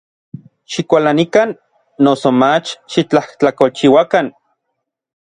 Xikualanikan, noso mach xitlajtlakolchiuakan.